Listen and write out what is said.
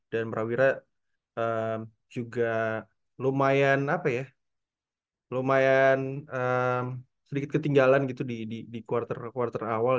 dan prawira juga lumayan apa ya lumayan sedikit ketinggalan gitu di quarter awal